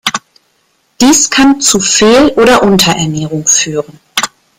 Dies kann zu Fehl- oder Unterernährung führen.